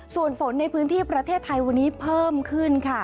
ส่วนฝนในพื้นที่ประเทศไทยวันนี้เพิ่มขึ้นค่ะ